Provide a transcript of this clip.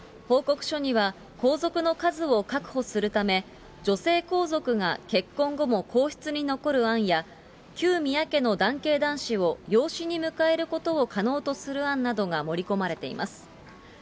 報告書には皇族の数を確保するため、女性皇族が結婚後も皇室に残る案や、旧宮家の男系男子を養子に迎えることを可能とする案などが盛り込まれています。